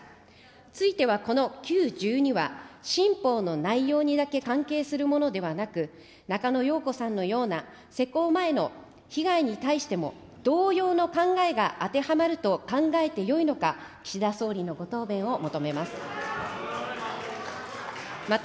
ついては、このＱ１２は、新法の内容にだけ関係するものではなく、中野容子さんのような、施行前の被害に対しても同様の考えが当てはまると考えてよいのか、岸田総理のご答弁を求めます。